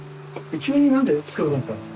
急に何で作ろうと思ったんですか？